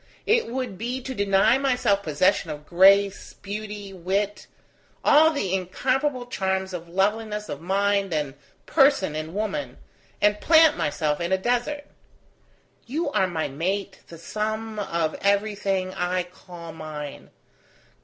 It would be to deny myself possession of grace, beauty, wit, all the incomparable charms of loveliness of mind and person in woman, and plant myself in a desert. You are my mate, the sum of everything I call mine.